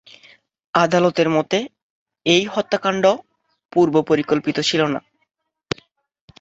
আদালতের মতে, এই হত্যাকাণ্ড পূর্ব পরিকল্পিত ছিল না।